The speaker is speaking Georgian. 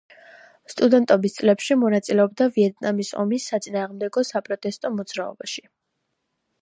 სტუდენტობის წლებში მონაწილეობდა ვიეტნამის ომის საწინააღმდეგო საპროტესტო მოძრაობაში.